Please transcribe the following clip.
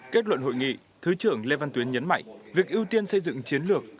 kết luận hội nghị thứ trưởng lê văn tuyến nhấn mạnh việc ưu tiên xây dựng chiến lược